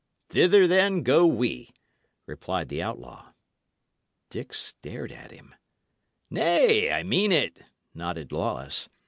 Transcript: "Thither, then, go we," replied the outlaw. Dick stared at him. "Nay, I mean it," nodded Lawless.